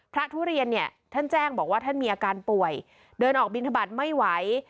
ทุเรียนเนี่ยท่านแจ้งบอกว่าท่านมีอาการป่วยเดินออกบินทบาทไม่ไหว